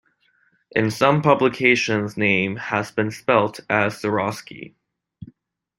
In some publications name has been spelt as Ceraski.